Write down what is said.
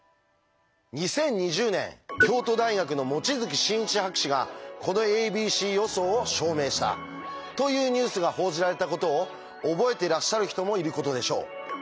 ２０２０年京都大学の望月新一博士がこの「ａｂｃ予想」を証明したというニュースが報じられたことを覚えてらっしゃる人もいることでしょう。